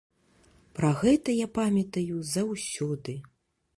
Пра гэта я памятаю заўсёды.